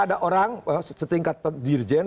ada orang setingkat dirjen